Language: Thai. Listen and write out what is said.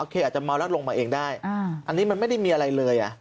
อาจจะเมาแล้วลงมาเองได้อันนี้มันไม่ได้มีอะไรเลย